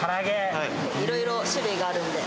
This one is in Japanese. いろいろ種類があるんで。